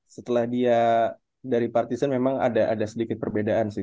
setelah dia dari partisan memang ada sedikit perbedaan sih